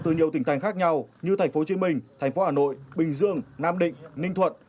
từ nhiều tỉnh thành khác nhau như tp hcm tp hn bình dương nam định ninh thuận